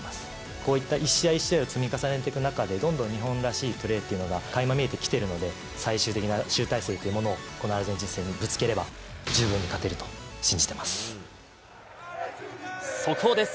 こういった一試合一試合を積み重ねていく中でどんどん日本らしいプレーっていうのがかいま見えてきているので、最終的な集大成というものをこのアルゼンチン戦にぶつければ、速報です。